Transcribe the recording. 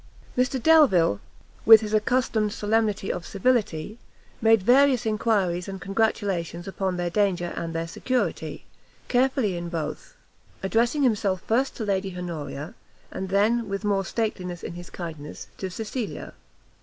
Mr Delvile, with his accustomed solemnity of civility, made various enquiries and congratulations upon their danger and their security, carefully in both, addressing himself first to Lady Honoria, and then with more stateliness in his kindness, to Cecilia.